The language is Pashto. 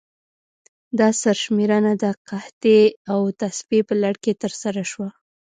دا سرشمېرنه د قحطۍ او تصفیې په لړ کې ترسره شوه.